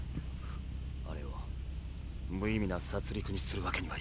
あれを無意味な殺戮にするわけにはいきません。